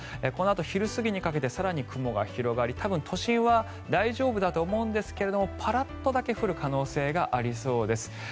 このあと昼過ぎにかけて更に雲が広がり多分、都心は大丈夫だと思うんですがパラッとだけ降る可能性がありそうです。